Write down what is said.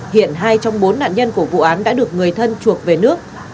hiện hai trong bốn nạn nhân của vụ án đã được người thân chuộc về nước